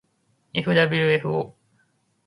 ｆｗｆ ぉ